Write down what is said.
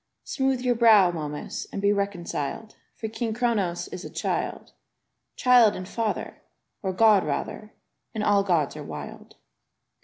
^ Smooth your brow, Momus, and be reconciled, For King Kronos is a child — Child and father, Or god rather. And all gods are wild.